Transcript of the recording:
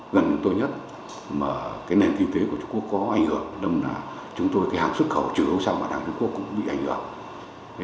gần như tôi nhất nền kinh tế của trung quốc có ảnh hưởng đồng là hãng xuất khẩu chủ yếu sau bản hàng trung quốc cũng bị ảnh hưởng